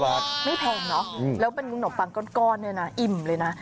อ๋อ๑๕บาทไม่แพงเนอะแล้วเป็นขนมปังก้อนเลยนะอิ่มเลยนะ